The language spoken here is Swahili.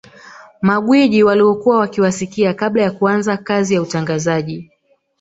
Magwiji waliokuwa wakiwasikia kabla ya kuanza kazi ya utangazaji